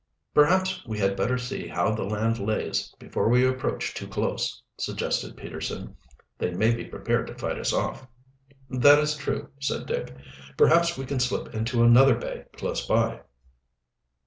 "Perhaps we had better see how the land lays before we approach too close," suggested Peterson. "They may be prepared to fight us off." "That is true," said Dick. "Perhaps we can slip into another bay close by."